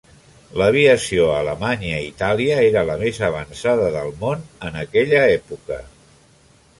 L'aviació a Alemanya i Itàlia era la més avançada del món en aquella època.